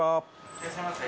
いらっしゃいませ。